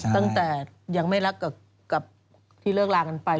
ตั้งแต่ยังไม่รักกับที่เลิกลากันไป